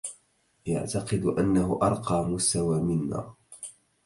يعتقد أنه أرقى مستوى منا.